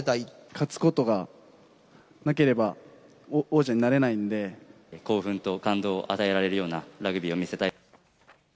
勝つことがなければ、王者に興奮と感動を与えられるようなラグビーを見せたい。